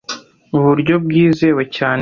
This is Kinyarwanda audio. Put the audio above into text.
Ubu buryo bwizewe cyane